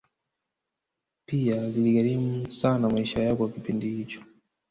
Pia ziligharimu sana maisha yao kwa kipindi hicho